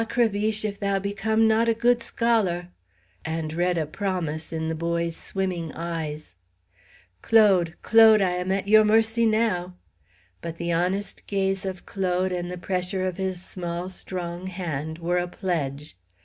Crébiche, if thou become not a good scholar" and read a promise in the boy's swimming eyes. "Claude, Claude, I am at yo' mercy now." But the honest gaze of Claude and the pressure of his small strong hand were a pledge.